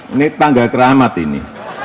ini tangga keramat ini